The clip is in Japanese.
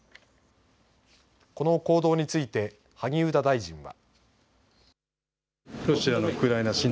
この行動について萩生田大臣は。